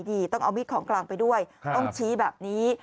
ต้องเอามีดของกลางไปด้วยต้องชี้แบบนี้